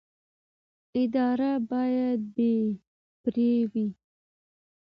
ادارې باید بې پرې وي